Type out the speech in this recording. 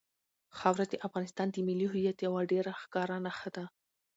خاوره د افغانستان د ملي هویت یوه ډېره ښکاره نښه ده.